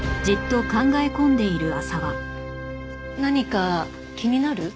何か気になる？